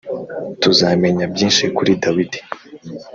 Tuzamenya byinshi kuri Dawidi